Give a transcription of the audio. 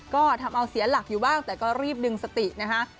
ก็ทำเอาเสียหลักอยู่บ้างแต่ก็รีบดึงสตินะคะ